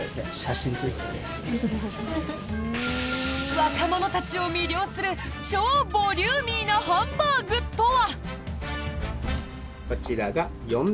若者たちを魅了する超ボリューミーなハンバーグとは。